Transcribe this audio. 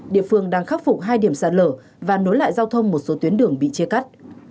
địa phương đang khắc phục hai điểm sạt lở và nối lại giao thông một số tuyến đường bị chia cắt